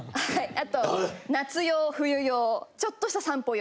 あと夏用冬用ちょっとした散歩用。